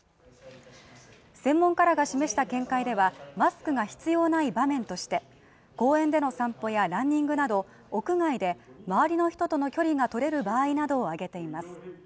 専門家らが示した見解ではマスクが必要ない場面として公園での散歩やランニングなど屋外で周りの人との距離がとれる場合などを挙げています。